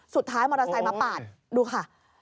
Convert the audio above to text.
สุดท้ายมอเตอร์ไซค์มาปาดดูค่ะ